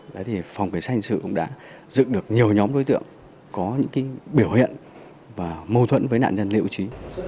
đó thì phòng cảnh sát hình sự cũng đã dựng được nhiều nhóm đối tượng có những biểu hiện và mô thuẫn với nạn nhân liệu trí